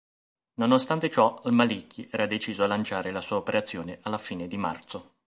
Nonostante ciò al-Maliki era deciso a lanciare la sua operazione alla fine di marzo.